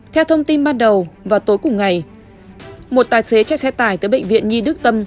theo thông tin ban đầu vào tối cùng ngày một tài xế chạy xe tải tới bệnh viện nhi đức tâm